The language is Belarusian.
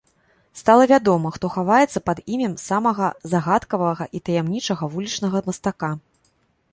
Стала вядома, хто хаваецца пад імем самага загадкавага і таямнічага вулічнага мастака.